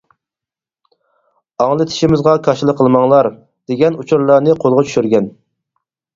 ئاڭلىتىشىمىزغا كاشىلا قىلماڭلار، دېگەن ئۇچۇرلارنى قولغا چۈشۈرگەن.